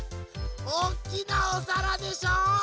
おっきなおさらでしょう？